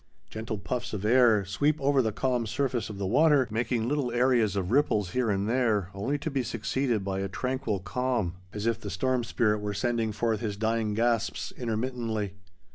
Gentle puffs of air sweep over the calm surface of the water, making little areas of ripples here and there, only to be succeeded by a tranquil calm, as if the storm spirit were sending forth his dying gasps intermittently.